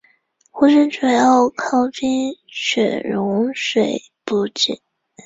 湖水主要靠冰雪融水补给。